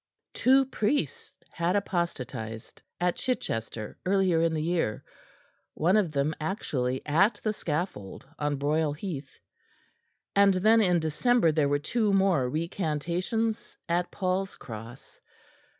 Two priests had apostatised at Chichester earlier in the year, one of them actually at the scaffold on Broyle Heath; and then in December there were two more recantations at Paul's Cross.